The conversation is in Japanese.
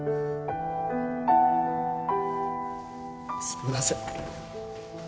すみません。